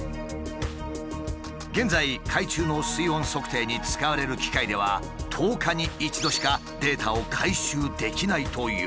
現在海中の水温測定に使われる機械では１０日に１度しかデータを回収できないという。